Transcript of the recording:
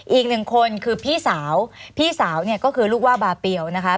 อีกหนึ่งคนคือพี่สาวพี่สาวเนี่ยก็คือลูกว่าบาเปลวนะคะ